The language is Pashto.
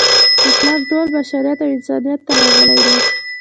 اسلام ټول بشریت او انسانیت ته راغلی دی.